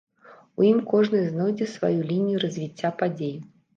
У ім кожны знойдзе сваю лінію развіцця падзей.